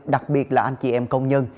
đặc biệt là anh chị em công nhân